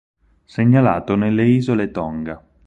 Segnalato nelle isole Tonga.